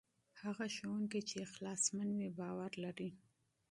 هغه ښوونکی چې صادق دی باور لري.